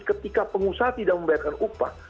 ketika pengusaha tidak membayarkan upah